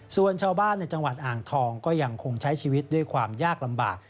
ส่วนชาวบ้านในจังหวัดอ่างทองก็ยังคงใช้ชีวิตด้วยความยากลำบาก